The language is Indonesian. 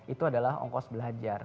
itu adalah ongkos belajar